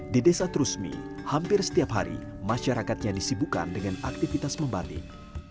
di desa trusmi hampir setiap hari masyarakatnya disibukan dengan aktivitas membatik